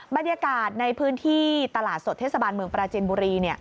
บรรยากาศในพื้นที่ตลาดสดเทศบาลเมืองปราจินบุรี